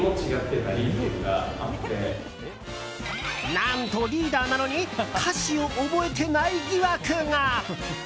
何とリーダーなのに歌詞を覚えてない疑惑が？